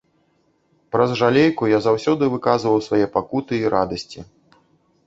Праз жалейку я заўсёды выказваў свае пакуты і радасці.